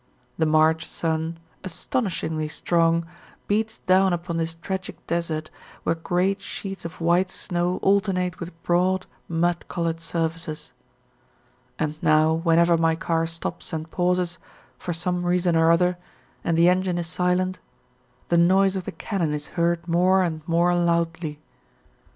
The March sun, astonishingly strong, beats down upon this tragic desert where great sheets of white snow alternate with broad, mud coloured surfaces. And now whenever my car stops and pauses, for some reason or other, and the engine is silent, the noise of the cannon is heard more and more loudly.